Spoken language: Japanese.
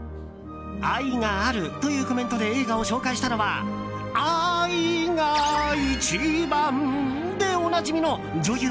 愛があるというコメントで映画を紹介したのは「愛がいちばん」でおなじみの女優